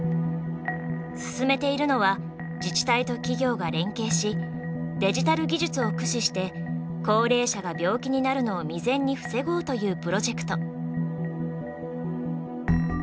進めているのは自治体と企業が連携しデジタル技術を駆使して高齢者が病気になるのを未然に防ごうというプロジェクト。